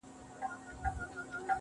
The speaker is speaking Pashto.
پښتنو انجونو کي حوري پيدا کيږي,